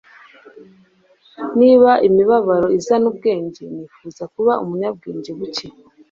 niba imibabaro izana ubwenge, nifuza kuba umunyabwenge buke